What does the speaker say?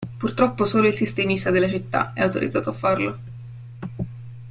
Purtroppo, solo il sistemista della città è autorizzato a farlo.